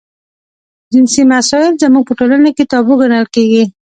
جنسي مسایل زموږ په ټولنه کې تابو ګڼل کېږي.